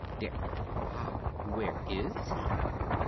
~Dick.~ Ah, where is he?